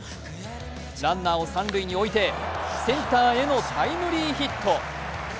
ランナーを三塁に置いて、センターへのタイムリーヒット。